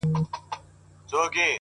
دا ستا د سترگو په كتاب كي گراني -